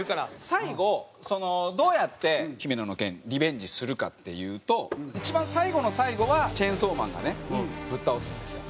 最後どうやって姫野の件リベンジするかっていうと一番最後の最後はチェンソーマンがねぶっ倒すんですよ